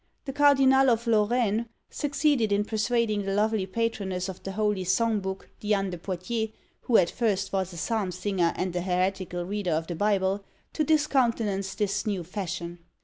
The Cardinal of Lorraine succeeded in persuading the lovely patroness of the "holy song book," Diane de Poictiers, who at first was a psalm singer and an heretical reader of the Bible, to discountenance this new fashion.